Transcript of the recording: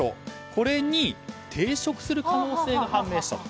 これに抵触する可能性が判明したと。